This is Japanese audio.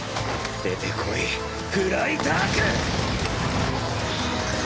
出てこいフライターク！